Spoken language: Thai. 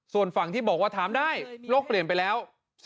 ส่วนฝั่งที่บอกว่าถามได้โลกเปลี่ยนไปแล้ว